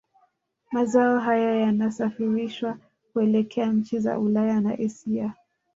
Mazao haya yanasafirishwa kuelekea nchi za Ulaya na Asia